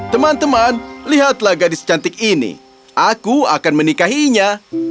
teman teman lihatlah gadis cantik ini aku akan menikahinya